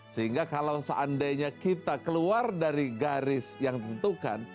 sehingga kalau seandainya kita keluar dari garis yang ditentukan